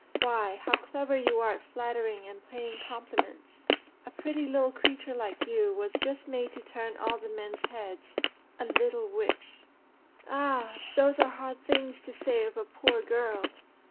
Why, how clever you are at flattering and paying compliments! A pretty little creature like you was just made to turn all the men's heads a little witch." "Ah! those are hard things to say of a poor girl!